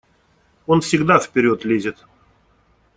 Он всегда вперед лезет.